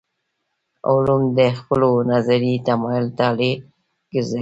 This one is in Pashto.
علوم د خپلو نظري تمایل طابع ګرځوو.